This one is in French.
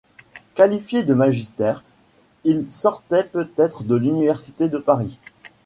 Qualifié de magister, il sortait peut-être de l'université de Paris.